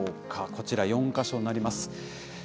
こちら、４か所になります。